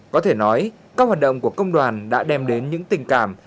có thể nói các hoạt động của công đoàn đã đem đến những tình cảm